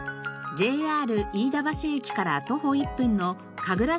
ＪＲ飯田橋駅から徒歩１分の神楽坂通り。